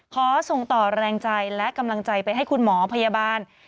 ขอส่งต่อแรงใจและกำลังใจไปให้คุณหมอพยาบาล